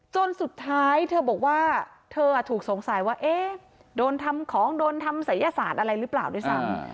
จนสุดท้ายเธอบอกว่าเธอถูกสงสัยว่าเอ๊ะโดนทำของโดนทำศัยศาสตร์อะไรหรือเปล่าด้วยซ้ำ